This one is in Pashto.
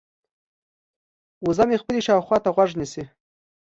وزه مې خپلې شاوخوا ته غوږ نیسي.